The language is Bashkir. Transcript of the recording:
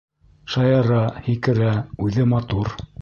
Шаяра, Һикерә. үҙе матур.